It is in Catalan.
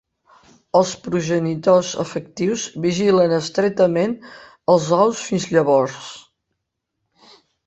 Els progenitors efectius vigilen estretament els ous fins llavors.